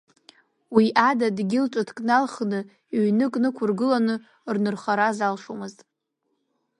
Уи ада дгьыл ҽыҭк налхны, ҩнык нықәыргыланы рнырхара залшомызт.